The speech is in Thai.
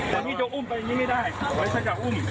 แต่พี่จะอุ้มไปอย่างนี้ไม่ได้แล้วถ้าจะอุ้ม